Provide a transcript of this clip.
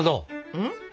うん？